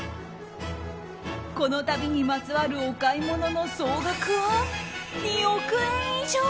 この旅にまつわるお買い物の総額は２億円以上！